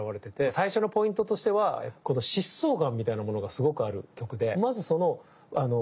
最初のポイントとしてはこの疾走感みたいなものがすごくある曲でまずそのあのスピード感が出る